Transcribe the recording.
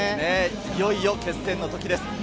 いよいよ決戦の時です。